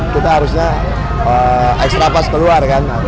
kita harusnya extra fast keluar kan